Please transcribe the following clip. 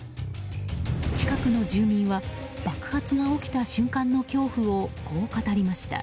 近くの住民は爆発が起きた瞬間の恐怖をこう語りました。